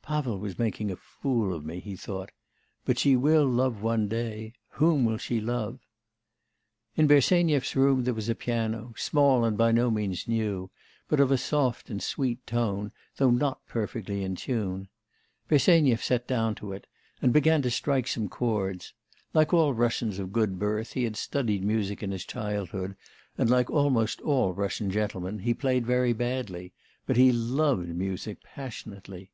'Pavel was making a fool of me,' he thought; '... but she will love one day... whom will she love?' In Bersenyev's room there was a piano, small, and by no means new, but of a soft and sweet tone, though not perfectly in tune. Bersenyev sat down to it, and began to strike some chords. Like all Russians of good birth, he had studied music in his childhood, and like almost all Russian gentlemen, he played very badly; but he loved music passionately.